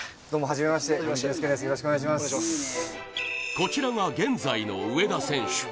こちらが現在の植田選手。